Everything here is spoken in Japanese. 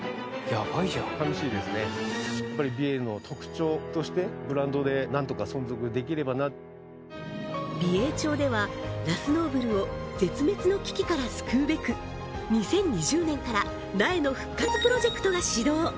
やっぱり美瑛の特徴として美瑛町ではラスノーブルを絶滅の危機から救うべく２０２０年から苗の復活プロジェクトが始動